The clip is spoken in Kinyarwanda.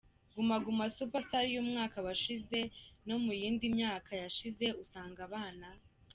Guma Guma Super Star yumwaka washize no mu yindi myaka yashize usanga abana.